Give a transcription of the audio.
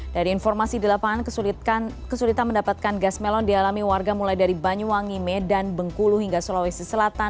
dari informasi di lapangan kesulitan mendapatkan gas melon dialami warga mulai dari banyuwangi medan bengkulu hingga sulawesi selatan